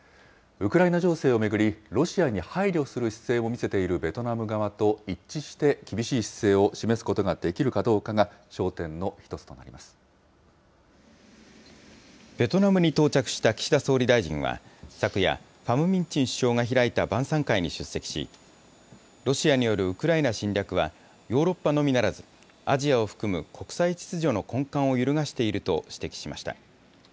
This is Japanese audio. ウクライナ情勢を巡り、ロシアに配慮する姿勢を見せているベトナム側と一致して厳しい姿勢を示すことができるかどうかが焦点の一ベトナムに到着した岸田総理大臣は、昨夜、ファム・ミン・チン首相が開いた晩さん会に出席し、ロシアによるウクライナ侵略はヨーロッパのみならず、アジアを含む国際秩序の根幹を揺るがしていると指摘しました。